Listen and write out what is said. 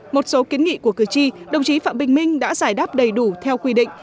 một số kiến nghị của cử tri đồng chí phạm bình minh đã giải đáp đầy đủ theo quy định